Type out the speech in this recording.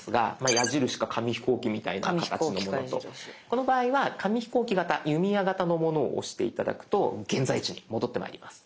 この場合は紙飛行機型弓矢型のものを押して頂くと現在地に戻ってまいります。